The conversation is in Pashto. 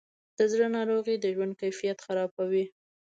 د زړه ناروغۍ د ژوند کیفیت خرابوي.